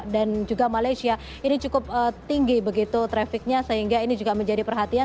dan juga malaysia ini cukup tinggi begitu trafiknya sehingga ini juga menjadi perhatian